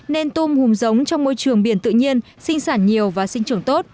nên tôm hùm giống trong môi trường biển tự nhiên sinh sản nhiều và sinh trưởng tốt